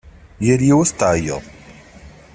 Yal yiwet tɛeggeḍ.